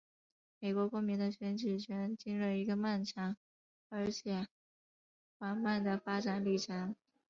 美国公民的选举权经历了一个非常漫长而且缓慢的发展历程。